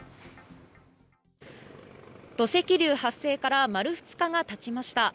土石流発生から丸２日が経ちました。